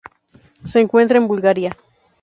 Se encuentra en Bulgaria.